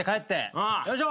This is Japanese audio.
よいしょ。